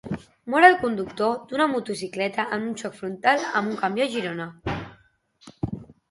Mor el conductor d'una motocicleta en un xoc frontal amb un camió a Girona.